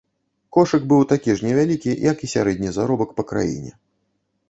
Кошык быў такі ж невялікі, як і сярэдні заробак па краіне.